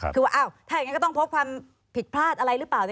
แบบถ้าอย่างไรก็ต้องพบความผิดพลาดอะไรรึเปล่า